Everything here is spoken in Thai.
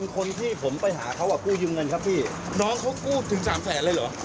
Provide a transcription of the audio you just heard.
คนที่ผมไปหาเขาอ่ะกู้ยืมเงินครับพี่น้องเขากู้ถึงสามแสนเลยเหรอ